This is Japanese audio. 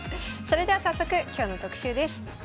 それでは早速今日の特集です。